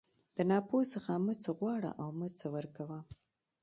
د ناپوه څخه مه څه غواړه او مه څه ورکوه.